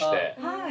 はい。